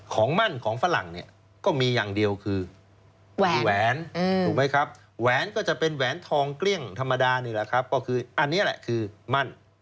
ของมั่นของฝรั่งเนี่ยก็มีอย่างเดียวคือแหวนถูกไหมครับแหวนก็จะเป็นแหวนทองเกลี้ยงธรรมดานี่แหละครับก็คืออันนี้แหละคือมั่น